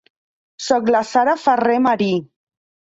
Soc la Sara Ferrer Marí.